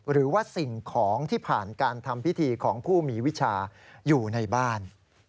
หรือว่าสิ่งของที่ผ่านการทำพิธีของผู้มีวิชาอยู่ในบ้าน